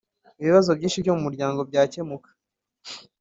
ibibazo byinshi byo mu muryango byakemuka.